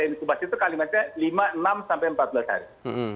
inkubasi itu kalimatnya lima enam sampai empat belas hari